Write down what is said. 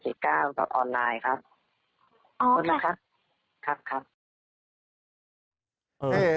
เห็นก้าวแบบออนไลน์ครับอ๋อนะครับครับครับ